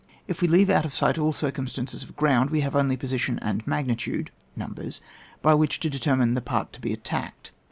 If we leave out of sight all circumstances of ground, we have only position and magnitude (numbers) by which to determine the part to be attacked.